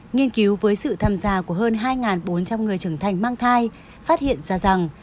nghiên cứu với sự tham gia của hơn hai bốn trăm linh người trưởng thành mang thai phát hiện ra rằng